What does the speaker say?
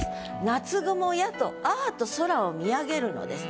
「夏雲や」とあぁ！と空を見上げるのです。